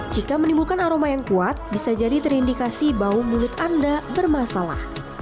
jika menimbulkan aroma yang kuat bisa jadi terindikasi bau mulut anda bermasalah